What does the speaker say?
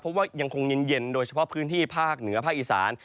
เพราะว่ายังคงเย็นโดยเฉพาะพื้นที่ภาคเหนือภาคอีสาน